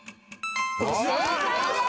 正解です！